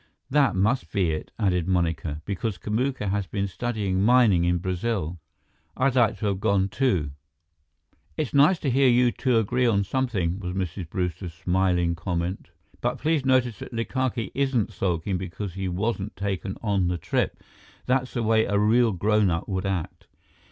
"That must be it," added Monica, "because Kamuka has been studying mining in Brazil. I'd like to have gone, too." "It's nice to hear you two agree on something," was Mrs. Brewster's smiling comment, "but please notice that Likake isn't sulking because he wasn't taken on the trip. That's the way a real grownup would act."